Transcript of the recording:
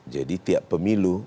jadi tiap pemilu